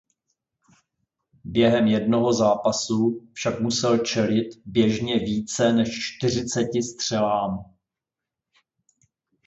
Během jednoho zápasu však musel čelit běžně více než čtyřiceti střelám.